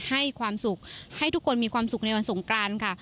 ให้ความสุขให้ทุกคนมีความสุขในวันสงกรานค่ะ